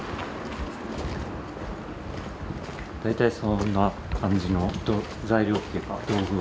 大体そんな感じの材料っていうか道具は。